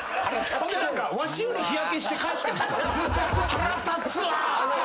腹立つわ！